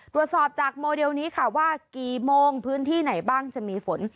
ตรวจสอบจากโมเดลนี้ค่ะว่ากี่โมงพื้นที่ไหนบ้างจะมีฝน